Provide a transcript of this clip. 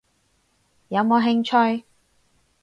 有冇興趣？